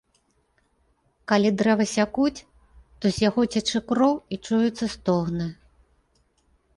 Калі дрэва сякуць, то з яго цячэ кроў і чуюцца стогны.